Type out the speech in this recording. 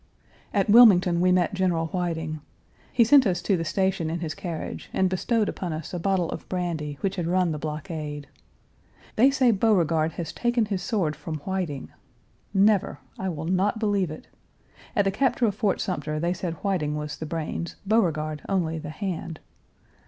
At Wilmington we met General Whiting. He sent us to the station in his carriage, and bestowed upon us a bottle of brandy, which had run the blockade. They say Beauregard has taken his sword from Whiting. Never! I will not believe it. At the capture of Fort Sumter they said Whiting was the brains, Beauregard only the hand.